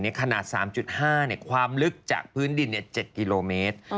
ขนาด๓๕ความลึกจากพื้นดิน๗กิโลเมตร